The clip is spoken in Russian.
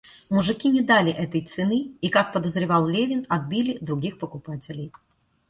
Мужики не дали этой цены и, как подозревал Левин, отбили других покупателей.